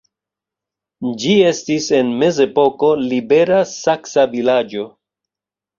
Ĝi estis en mezepoko libera saksa vilaĝo.